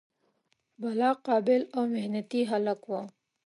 بلا قابل او محنتي هلک و.